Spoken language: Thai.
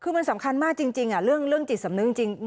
คือมันสำคัญมากจริงเรื่องจิตสำนึกจริง